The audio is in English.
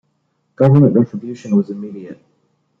Government retribution was immediate.